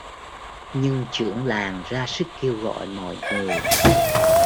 Nhưng trưởng làng ra sức kêu gọi mọi người